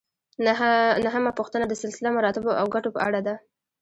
نهمه پوښتنه د سلسله مراتبو او ګټو په اړه ده.